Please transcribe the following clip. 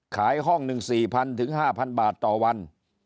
ห้องหนึ่ง๔๐๐๕๐๐บาทต่อวัน